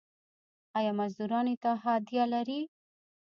آیا مزدوران اتحادیه لري؟